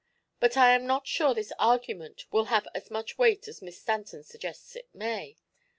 But I am not sure this argument will have as much weight as Miss Stanton suggests it may.